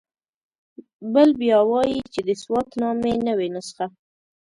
بل بیا وایي چې د سوات نامې نوې نسخه.